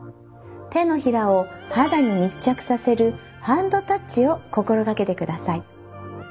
手のひらを肌に密着させるハンドタッチを心掛けてください。